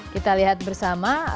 kita lihat bersama